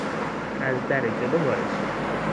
از در جلو وارد شوید.